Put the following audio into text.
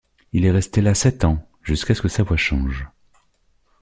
Il est resté là sept ans, jusqu'à ce que sa voix change.